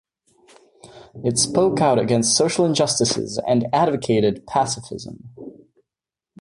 It spoke out against social injustices and advocated pacifism.